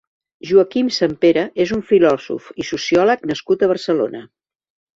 Joaquim Sempere és un filòsof i sociòleg nascut a Barcelona.